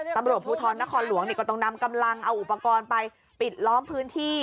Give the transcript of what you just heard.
ตำรวจภูทรนครหลวงก็ต้องนำกำลังเอาอุปกรณ์ไปปิดล้อมพื้นที่